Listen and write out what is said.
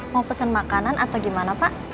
mau pesen makanan atau gimana pak